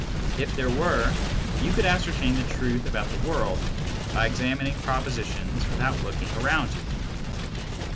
If there were, you could ascertain the truth about the world by examining propositions without looking round you.